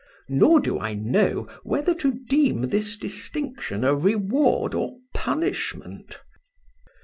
Nor do I know whether to deem this distinction a reward or punishment.